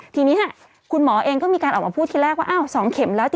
ทีนี้คุณหมอเองก็มีการออกมาพูดทีแรกว่าอ้าว๒เข็มแล้ว